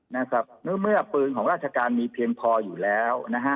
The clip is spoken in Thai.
เมื่อปืนของราชการมีเพียงพออยู่แล้วนะฮะ